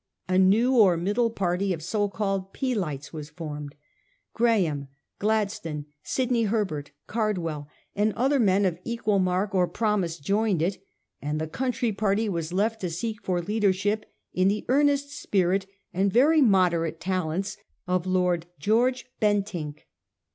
A new or middle party of so called Peelites was formed. Graham, Gladstone, Sidney Herbert, Cardwell, and other men of equal mark or promise, joined it, and the country party was left to seek for leadership in the earnest spirit and very moderate talents of Lord George Bentinck.